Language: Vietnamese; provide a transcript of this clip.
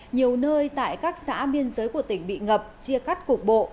nhiều nơi tại các xã biên giới của tỉnh bị ngập chia cắt cục bộ